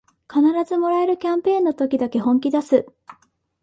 必ずもらえるキャンペーンの時だけ本気だす